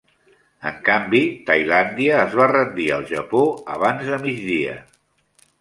En canvi, Tailàndia es va rendir al Japó abans de migdia.